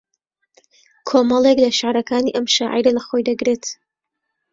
کۆمەڵێک لە شێعرەکانی ئەم شاعێرە لە خۆی دەگرێت